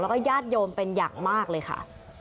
แล้วก็ญาติโยมเป็นอย่างมากเลยค่ะ